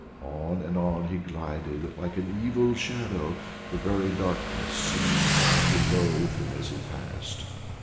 On and on he glided, like an evil shadow, the very darkness seeming to loathe him as he passed.